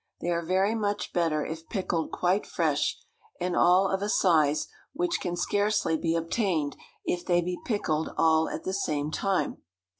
They are very much better if pickled quite fresh, and all of a size, which can scarcely be obtained if they be pickled all at the same time.